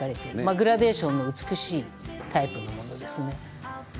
グラデーションの美しいタイプのものです。